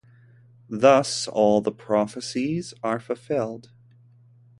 Thus, all the prophecies are fulfilled.